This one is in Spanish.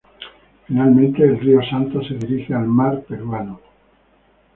Finalmente el río Santa se dirige al mar Peruano.